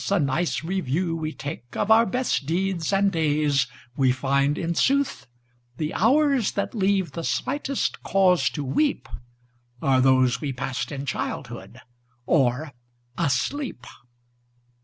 a nice review we takeOf our best deeds and days, we find, in sooth, The hours that leave the slightest cause to weepAre those we passed in childhood or asleep!